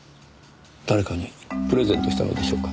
誰かにプレゼントしたのでしょうか。